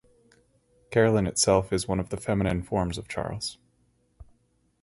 Caroline itself is one of the feminine forms of Charles.